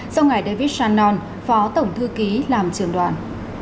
sau ngày david shannon phó tổng thư ký làm trường đoàn